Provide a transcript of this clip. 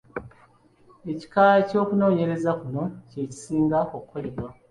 Ekika ky’okunoonyereza kuno kye kisinga okukolebwa.